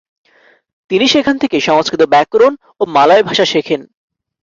তিনি সেখান থেকে সংস্কৃত ব্যাকরণ এবং মালয় ভাষা শেখেন।